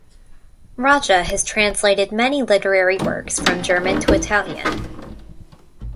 Raja has translated many literary works from German to Italian.